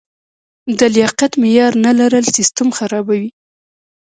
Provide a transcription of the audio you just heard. د لیاقت معیار نه لرل سیستم خرابوي.